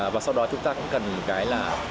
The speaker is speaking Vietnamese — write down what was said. và sau đó chúng ta cũng cần cái là